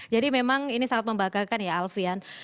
jadi memang ini sangat membahagakan ya alfian